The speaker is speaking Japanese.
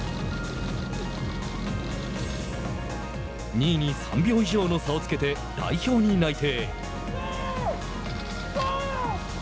２位に３秒以上の差をつけて代表に内定。